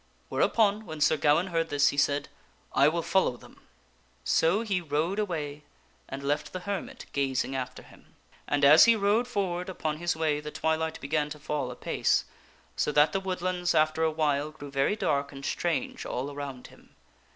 Whereupon, when Sir Gawaine heard this, he said, " I will follow them." So he rode away and left the hermit gazing after him. And as he rode forward upon his way, the twilight began to fall apace, so that the wood lands after a while grew very dark and strange all around him.